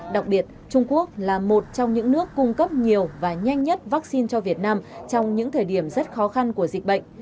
đặc biệt trung quốc là một trong những nước cung cấp nhiều và nhanh nhất vaccine cho việt nam trong những thời điểm rất khó khăn của dịch bệnh